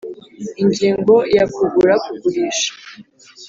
Ingingo ya kugura kugurisha